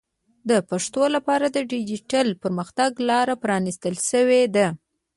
د پښتو لپاره د ډیجیټل پرمختګ لاره پرانیستل شوې ده.